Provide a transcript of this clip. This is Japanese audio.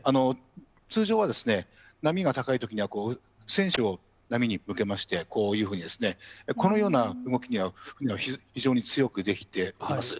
通常は波が高いときには、船首を波に向けまして、こういうふうにですね、このような動きには非常に強く出来ています。